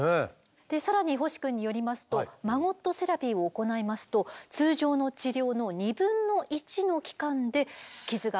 更に星くんによりますとマゴットセラピーを行いますと通常の治療の２分の１の期間で傷が治る可能性があるということです。